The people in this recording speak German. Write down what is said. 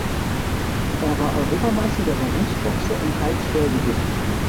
Er war Europameister der Berufsboxer im Halbschwergewicht.